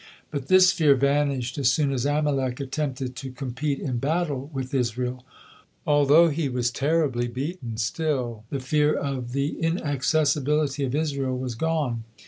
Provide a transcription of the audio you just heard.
But this fear vanished as soon as Amalek attempted to compete in battle with Israel. Although he was terrible beaten, still the fear of the inaccessibility of Israel was gone.